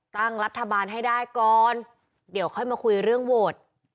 ตั้งรัฐบาลให้ได้ก่อนเดี๋ยวค่อยมาคุยเรื่องโหวต